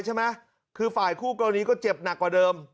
ใช่ไหมคือฝ่ายคู่กรณีก็เจ็บหนักกว่าเดิม